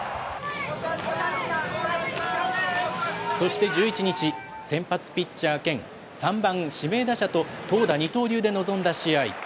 そして１１日、先発ピッチャー兼、３番指名打者と、投打二刀流で臨んだ試合。